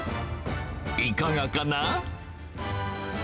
いかがかな？